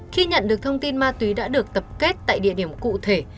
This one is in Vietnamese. khi nhận được thông tin ma túy đã được tập kết tại địa điểm cụ thể